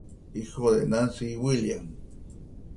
Hijo de Nancy y William.